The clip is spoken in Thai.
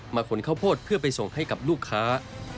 ขนข้าวโพดเพื่อไปส่งให้กับลูกค้า